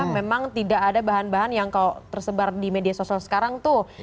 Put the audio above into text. memang tidak ada bahan bahan yang kalau tersebar di media sosial sekarang tuh